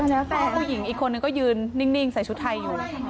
แล้วแต่ผู้หญิงอีกคนนึงก็ยืนนิ่งใส่ชุดไทยอยู่